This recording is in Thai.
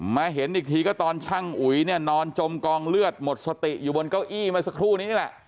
เห็นอีกทีก็ตอนช่างอุ๋ยเนี่ยนอนจมกองเลือดหมดสติอยู่บนเก้าอี้เมื่อสักครู่นี้นี่แหละ